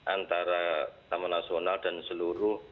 antara taman nasional dan seluruh